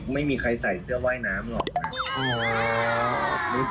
ไม่มีใครใส่เสื้อว่ายน้ำหรอก